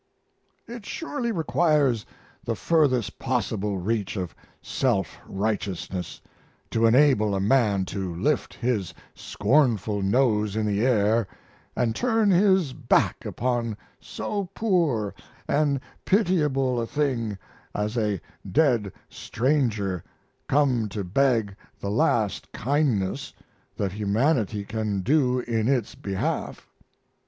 It surely requires the furthest possible reach of self righteousness to enable a man to lift his scornful nose in the air and turn his back upon so poor and pitiable a thing as a dead stranger come to beg the last kindness that humanity can do in its behalf.